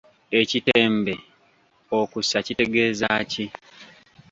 Ekitembe okussa kitegeeza ki?